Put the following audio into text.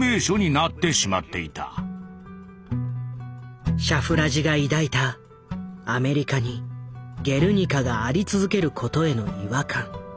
誰もそうせずシャフラジが抱いたアメリカに「ゲルニカ」があり続けることへの違和感。